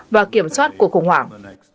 và kiểm soát cuộc khủng hoảng